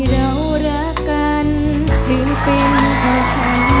สวัสดีครับ